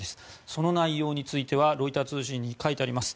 その内容についてはロイター通信に書いてあります。